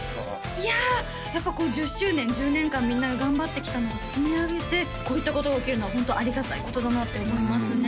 いややっぱこう１０周年１０年間みんなが頑張ってきたのが積み上げてこういったことが起きるのはホントありがたいことだなって思いますね